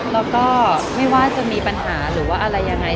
แล้วก็ไม่ว่าจะมีปัญหาหรือว่าอะไรยังไง